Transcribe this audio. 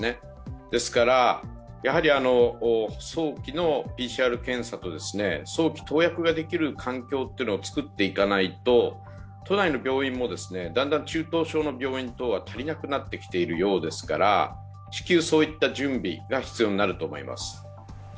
ですから早期のＰＣＲ検査と早期投薬ができる環境をつくっていかないと、都内の病院もだんだん中等症の病院等が足りなくなってきているようですから、至急、そういった準備が必要になると思います。